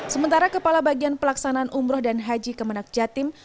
sementara kepala bagian pelaksanaan umroh dan haji kemenak jatim